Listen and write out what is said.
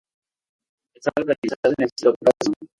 Está localizada en el citoplasma.